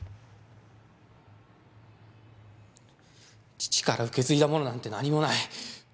父から受け継いだものなんて何もない！